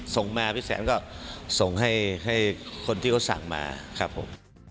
ส่งมาพี่แสนก็ส่งให้คนที่เขาสั่งมาครับผม